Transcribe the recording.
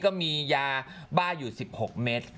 ก็มียาบ้าอยู่๑๖เมตร